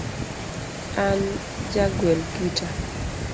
An ja gwel gita.